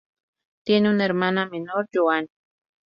Tiene una hermana menor, Joanne.